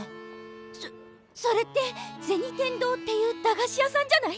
そそれって銭天堂っていう駄菓子屋さんじゃない？